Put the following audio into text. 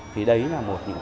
thì đấy là một trong